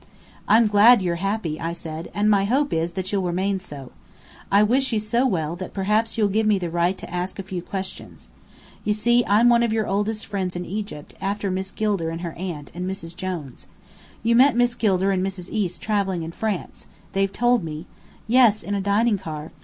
"I'm glad you're happy," I said, "and my hope is that you'll remain so. I wish you so well, that perhaps you'll give me the right to ask a few questions. You see, I'm one of your oldest friends in Egypt, after Miss Gilder and her aunt and Mrs. Jones. You met Miss Gilder and Mrs. East travelling in France, they've told me " "Yes, in a dining car.